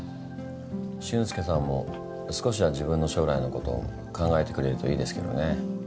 俊介さんも少しは自分の将来のこと考えてくれるといいですけどね。